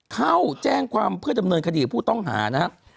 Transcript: เข้าแจ้งความเพื่อดำเนินคดีกับผู้ต้องหานะครับ